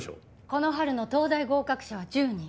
この春の東大合格者は１０人。